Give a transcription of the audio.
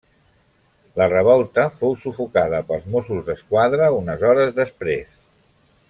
La revolta fou sufocada pels Mossos d'Esquadra unes hores després.